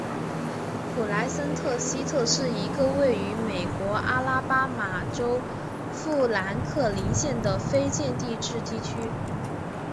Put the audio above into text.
普莱森特西特是一个位于美国阿拉巴马州富兰克林县的非建制地区。